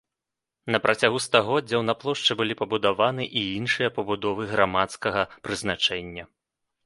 На працягу стагоддзяў на плошчы былі пабудаваны і іншыя пабудовы грамадскага прызначэння.